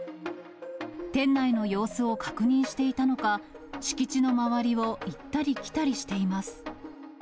店内の様子を確認していたのか、敷地の周りを行ったり来たりしています。